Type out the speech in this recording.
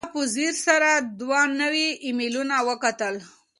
ده په ځیر سره دوه نوي ایمیلونه وکتل.